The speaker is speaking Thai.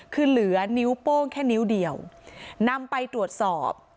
คือเหลือนิ้วโป้งแค่นิ้วเดียวนำไปตรวจสอบ